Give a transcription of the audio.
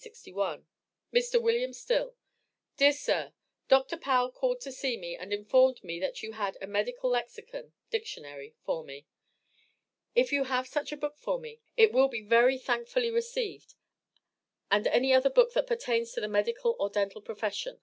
Mr. Wm. Still: Dear Sir Dr. Powell called to see me and informed me that you had a medical lexicon (Dictionary) for me. If you have such a book for me, it will be very thankfully received, and any other book that pertains to the medical or dental profession.